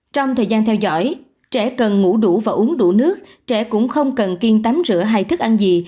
trong thời gian theo dõi trẻ cần ngủ đủ và uống đủ nước trẻ cũng không cần kiên tắm rửa hay thức ăn gì